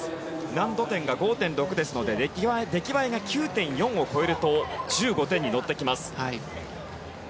難度点が５．６ですので出来栄えが９．４を超えると１５点に乗ってきます。